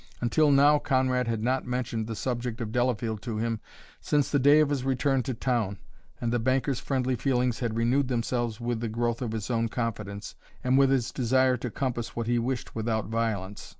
Until now Conrad had not mentioned the subject of Delafield to him since the day of his return to town, and the banker's friendly feelings had renewed themselves with the growth of his own confidence and with his desire to compass what he wished without violence.